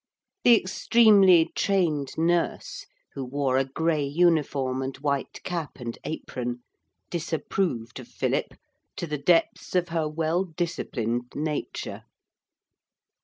The extremely trained nurse, who wore a grey uniform and white cap and apron, disapproved of Philip to the depths of her well disciplined nature.